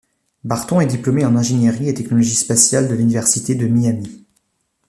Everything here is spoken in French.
Barton est diplômé en ingénierie et technologie spatiale de l'université de Miami.